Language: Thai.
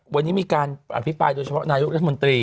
วันนี้มีการอภิปรายโดยเฉพาะนายกรัฐมนตรี